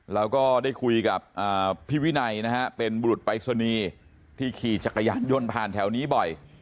เราก็ได้คุยกับพี่วินัยนะฮะเป็นบุรุษปรายศนีย์ที่ขี่จักรยานยนต์ผ่านแถวนี้บ่อย